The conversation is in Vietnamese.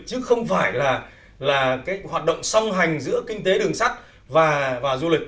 chứ không phải là cái hoạt động song hành giữa kinh tế đường sắt và du lịch